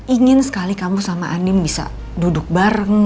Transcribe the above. ingin sekali kamu sama annim bisa duduk bareng